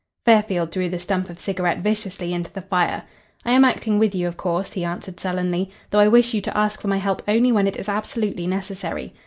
Fairfield threw the stump of cigarette viciously into the fire. "I am acting with you, of course," he answered sullenly, "though I wish you to ask for my help only when it is absolutely necessary.